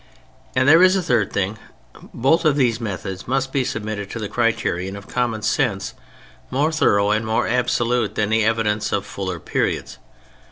And there is a third thing: both of these methods must be submitted to the criterion of common sense more thoroughly and more absolutely than the evidence of fuller periods.